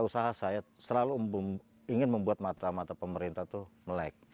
saya selalu ingin membuat mata mata pemerintah melek